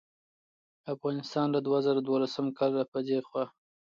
افغانستان له دوه زره دولسم کال راپه دې خوا